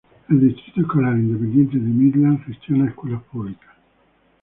El Distrito Escolar Independiente de Midland gestiona escuelas públicas.